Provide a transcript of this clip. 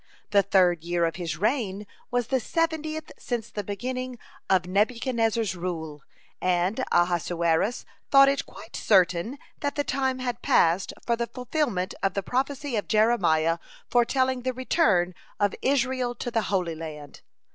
The third year of his reign was the seventieth since the beginning of Nebuchadnezzar's rule, and Ahasuerus thought it quite certain that the time had passed for the fulfilment of the prophecy of Jeremiah foretelling the return of Israel to the Holy Land.